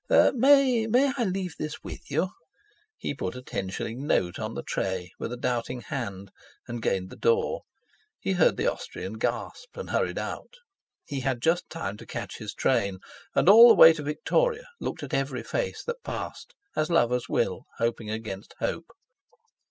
May—may I leave this with you?" He put a ten shilling note on the tray with a doubting hand and gained the door. He heard the Austrian gasp, and hurried out. He had just time to catch his train, and all the way to Victoria looked at every face that passed, as lovers will, hoping against hope.